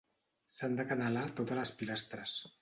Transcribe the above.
S'han d'acanalar totes les pilastres.